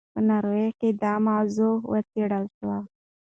په ناروې کې دا موضوع وڅېړل شوه.